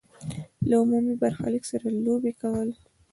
له عمومي برخلیک سره لوبې کول.